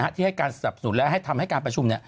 ที่ให้การสนับสนุนและให้ทำให้การประชุม